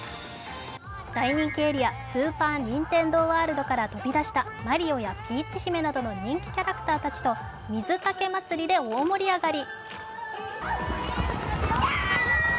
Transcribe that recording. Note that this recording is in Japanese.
大人気エリア、スーパー・ニンテンドー・ワールドから飛び出したマリオやピーチ姫などの人気キャラクターと水かけまつりで大盛り上がり。